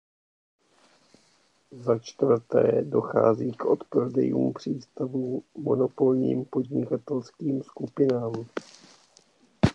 Začtvrté, dochází k odprodejům přístavů monopolním podnikatelským skupinám.